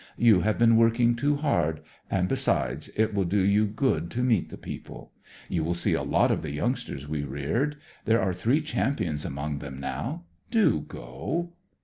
You have been working too hard; and besides, it will do you good to meet the people. You will see a lot of the youngsters we reared; there are three champions among them now. Do go!"